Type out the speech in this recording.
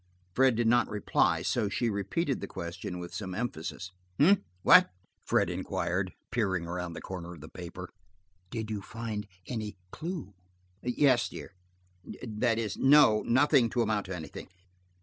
Fred did not reply, so she repeated the question with some emphasis. "Eh–what?" Fred inquired, peering around the corner of the paper. "Did–you–find–any–clue?" "Yes, dear–that is, no. Nothing to amount to anything.